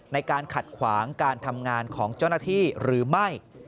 ในการขัดขวางการทำงานของเจ้าหน้าที่หรือไม่